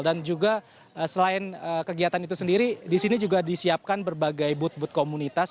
dan juga selain kegiatan itu sendiri di sini juga disiapkan berbagai booth booth komunitas